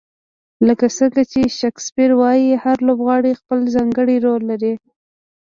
لکه څنګه چې شکسپیر وایي، هر لوبغاړی خپل ځانګړی رول لري.